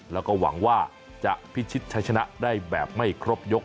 แล้วก็หวังว่าจะพิชิตใช้ชนะได้แบบไม่ครบยก